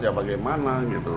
ya bagaimana gitu